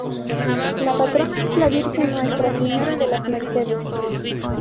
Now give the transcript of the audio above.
La patrona es la Virgen Nuestra Señora de las Mercedes.